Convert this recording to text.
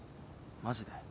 マジで？